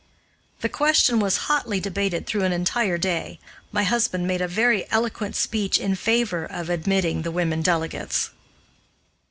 The question was hotly debated through an entire day. My husband made a very eloquent speech in favor of admitting the women delegates.